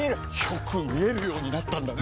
よく見えるようになったんだね！